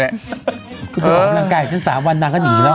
พูดแบบพ่อบริงไก่ถึง๓วันนานก็หนีแล้ว